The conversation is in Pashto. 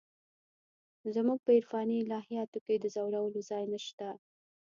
زموږ په عرفاني الهیاتو کې د ځورولو ځای نشته.